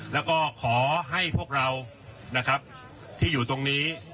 แล้วก็ขอให้พวกเรานะครับที่อยู่ตรงนี้